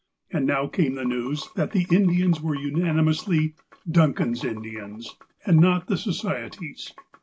And now came the news that the Indians were unanimously "Duncan's Indians," and not "the Society's."